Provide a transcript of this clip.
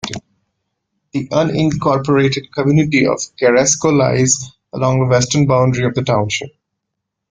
The unincorporated community of Ceresco lies along the western boundary of the township.